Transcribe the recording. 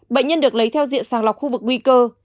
bệnh nhân được lấy theo diện sàng lọc khu vực nguy cơ